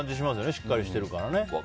しっかりしてるからね。